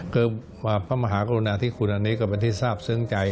คือพระมหากรุณาธิคุณอันนี้ก็เป็นที่ทราบซึ้งใจ